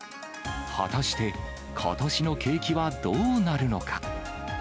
果たして、ことしの景気はどうなるのか。